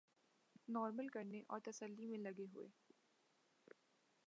normal کرنے اور تسلی میں لگے ہوئے